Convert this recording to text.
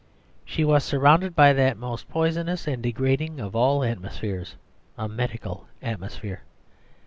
She was surrounded by that most poisonous and degrading of all atmospheres a medical atmosphere.